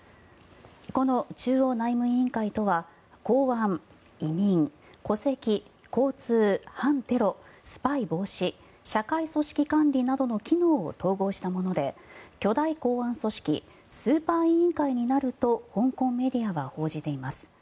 この中央内務委員会とは公安、移民、戸籍、交通、反テロスパイ防止、社会組織管理などの機能を統合したもので巨大公安組織スーパー委員会になると香港メディアは報じています。